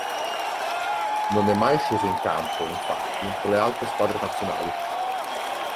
Non è mai sceso in campo, infatti, con le altre squadre nazionali.